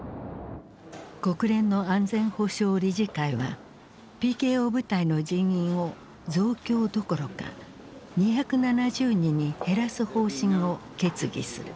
国連の安全保障理事会はＰＫＯ部隊の人員を増強どころか２７０人に減らす方針を決議する。